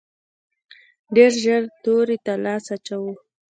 ډېر ژر تورې ته لاس اچوو.